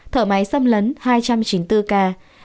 tp hcm một mươi hai ca